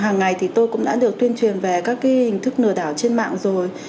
hàng ngày thì tôi cũng đã được tuyên truyền về các hình thức nửa đảo trên mạng rồi